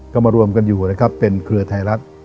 ก็มารวมกันอยู่นะครับเป็นเครือไทยรัฐ